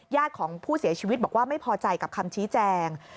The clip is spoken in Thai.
ของผู้เสียชีวิตบอกว่าไม่พอใจกับคำชี้แจง